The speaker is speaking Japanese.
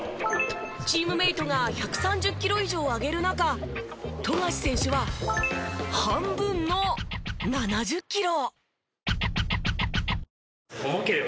チームメイトが１３０キロ以上上げる中富樫選手は半分の７０キロ。